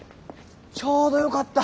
ちょうどよかった。